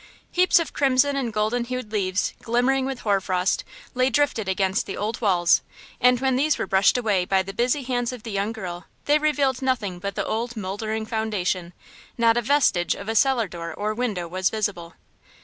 Heaps of crimson and golden hued leaves, glimmering with hoar frost, lay drifted against the old walls, and when these were brushed away by the busy hands of the young girl they revealed nothing but the old moldering foundation; not a vestige of a cellar door or window was visible.